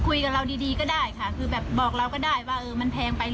เลยอาจจะคิดไปประมาณนั้นนะครับราคา๑๒๐บาทข้าวอ่ะผมกลัวไม่น่าแพงอ่ะ